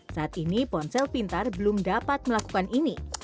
saat ini ponsel pintar belum dapat melakukan ini